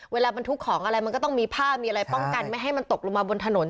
บรรทุกของอะไรมันก็ต้องมีผ้ามีอะไรป้องกันไม่ให้มันตกลงมาบนถนน